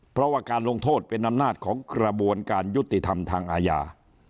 เพราะว่าการลงโทษเป็นอำนาจของกระบวนการยุติธรรมทางอาญา